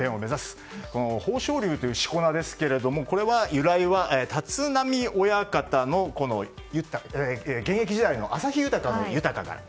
豊昇龍というしこ名は立浪親方の現役時代の旭豊の「豊」から。